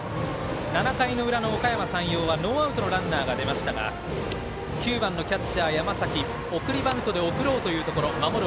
７回の裏の、おかやま山陽はノーアウトのランナーが出ましたが９番のキャッチャー、山崎送りバントで送ろうというところ守る